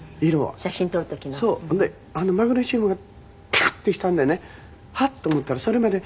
あのマグネシウムがピカッとしたんでねハッと思ったらそれまで。